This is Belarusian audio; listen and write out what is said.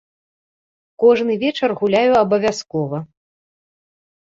Кожны вечар гуляю абавязкова.